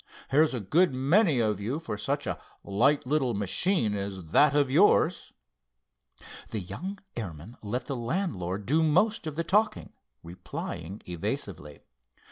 There's a good many of you for such a light little machine as that of yours." The young airman let the landlord do most of the talking, replying evasively.